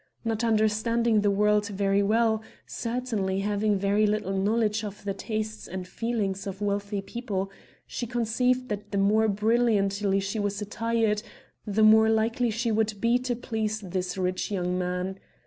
Not understanding the world very well, certainly having very little knowledge of the tastes and feelings of wealthy people, she conceived that the more brilliantly she was attired the more likely she would be to please this rich young man.